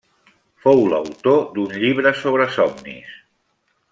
Fou l'autor d'un llibre sobre somnis.